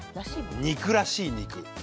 肉らしい肉。